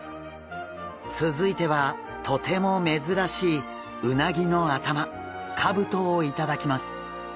続いてはとても珍しいうなぎの頭かぶとを頂きます。